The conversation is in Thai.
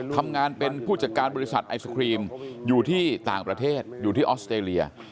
ทำงานเป็นผู้จัดการบริษัทไอศครีมอยู่ที่ต่างประเทศอยู่ที่ออสเตรเลีย